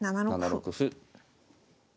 ７六歩。